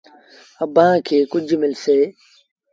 اڀآنٚ کي ڪجھ ملسي